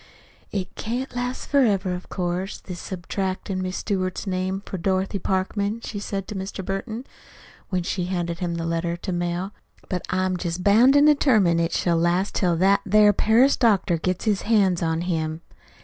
"It can't last forever, of course this subtractin' Miss Stewart's name for Dorothy Parkman," she said to Mr. Burton, when she handed him the letter to mail. "But I'm jest bound an' determined it shall last till that there Paris doctor gets his hands on him.